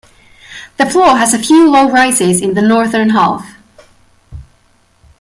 The floor has a few low rises in the northern half.